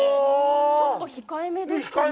ちょっと控え目ですね。